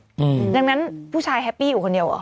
อืมดังนั้นผู้ชายแฮปปี้อยู่คนเดียวเหรอ